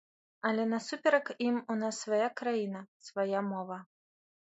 Але насуперак ім у нас свая краіна, свая мова.